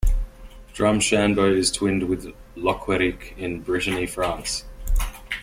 Drumshanbo is twinned with Locquirec in Brittany, France.